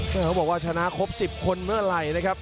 เขาบอกว่าชนะครบ๑๐คนเมื่อไหร่นะครับ